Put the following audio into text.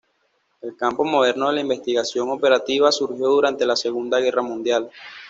El campo moderno de la investigación operativa surgió durante la Segunda Guerra Mundial.